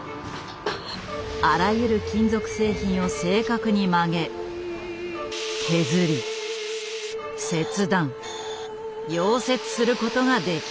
あらゆる金属製品を正確に曲げ削り切断溶接することができる。